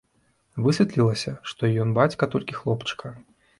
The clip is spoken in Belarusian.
Высветлілася, што ён бацька толькі хлопчыка.